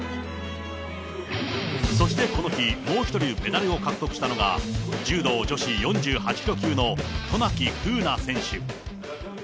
そしてこの日、もう１人メダルを獲得したのが、柔道女子４８キロ級の渡名喜風南選手。